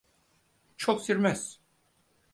Çok sürmez.